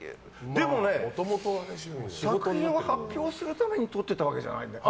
でもね、作品を発表するために撮ってたわけじゃないんだよ。